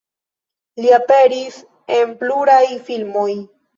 Li aperis en pluraj filmoj.